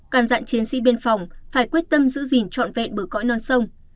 cản dạng chiến sĩ biên phòng phải quyết tâm giữ gìn trọn vẹn bờ cõi non sông